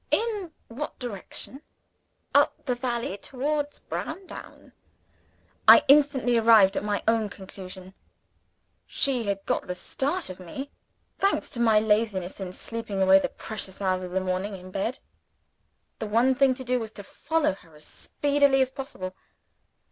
In what direction? Up the valley, towards Browndown. I instantly arrived at my own conclusion. She had got the start of me thanks to my laziness in sleeping away the precious hours of the morning in bed. The one thing to do, was to follow her as speedily as possible.